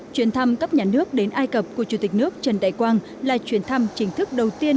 chuyển thăm cấp nhà nước đến ai cập của chủ tịch nước trần đại quang là chuyến thăm chính thức đầu tiên